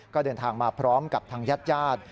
ก็เดินทางมาพร้อมกับทางญาติญาติ